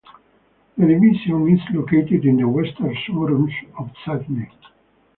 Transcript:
The division is located in the western suburbs of Sydney.